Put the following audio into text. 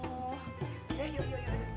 udah yuk yuk yuk